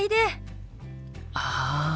ああ。